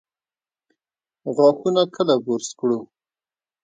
غاښونه کله برس کړو؟